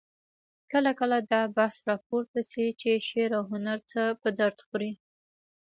کله کله دا بحث راپورته شي چې شعر او هنر څه په درد خوري؟